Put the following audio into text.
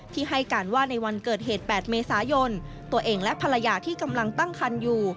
ให้การว่าในวันเกิดเหตุ๘เมษายนตัวเองและภรรยาที่กำลังตั้งคันอยู่